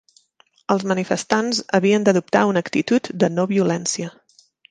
Els manifestants havien d'adoptar una actitud de no-violència.